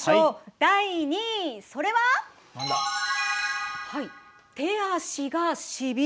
第２位それは「手足がしびれる」です。